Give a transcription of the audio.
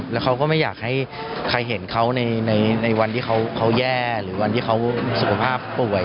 แล้วเขาก็ไม่อยากให้ใครเห็นเขาในวันที่เขาแย่หรือวันที่เขาสุขภาพป่วย